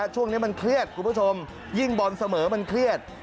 ช่วงนี้มันเครียดคุณผู้ชมยิ่งบอลเสมอมันเครียด